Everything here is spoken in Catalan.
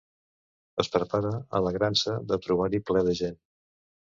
Es prepara, alegrant-se de trobar-hi ple de gent.